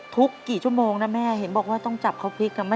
ทุกกี่ชั่วโมงนะแม่เห็นบอกว่าต้องจับเขาพลิกนะ